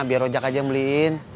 biar ojek aja yang beliin